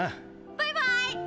バイバーイ！